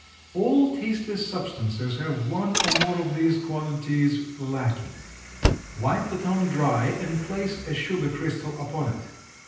All tasteless substances have one or more of these qualities lacking. Wipe the tongue dry and place a sugar crystal upon it.